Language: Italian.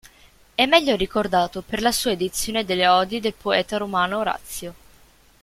È meglio ricordato per la sua edizione delle odi del poeta romano Orazio.